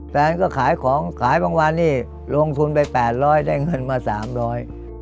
แฟนก็ขายของขายบางวันนี่ลงทุนไปแปดร้อยได้เงินมาสามร้อย